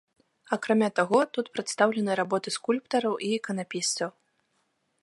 Акрамя таго, тут прадстаўлены работы скульптараў і іканапісцаў.